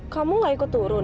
kamu tidak ikut turun